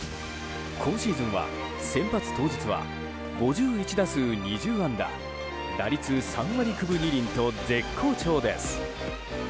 今シーズンは、先発当日は５１打数２０安打打率３割９分２厘と絶好調です。